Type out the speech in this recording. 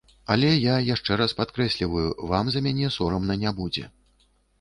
Але я яшчэ раз падкрэсліваю, вам за мяне сорамна не будзе.